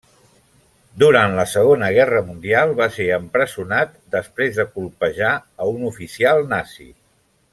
Durant la Segona Guerra Mundial va ser empresonat després de colpejar a un oficial nazi.